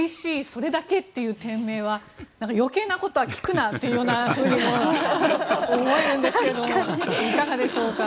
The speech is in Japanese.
それだけ」という店名は余計なことは聞くなというふうにも思えるんですけどいかがでしょうか。